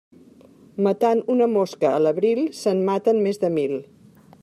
Matant una mosca a l'abril, se'n maten més de mil.